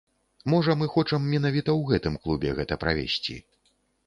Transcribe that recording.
Можа мы хочам менавіта ў гэтым клубе гэта правесці!?